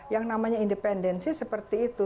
yang namanya independensi seperti itu